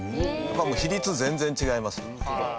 もう比率全然違います。